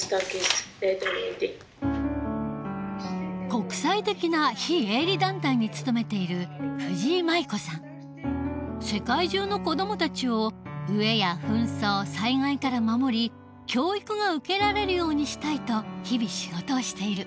国際的な非営利団体に勤めている世界中の子どもたちを飢えや紛争災害から守り教育が受けられるようにしたいと日々仕事をしている。